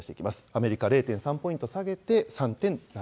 アメリカは０．３ポイント下げて３．７％と。